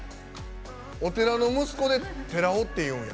お寺の息子で寺尾っていうんや。